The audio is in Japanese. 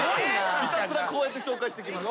ひたすらこうやって紹介してきます。